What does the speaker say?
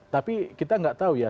tapi kita nggak tahu ya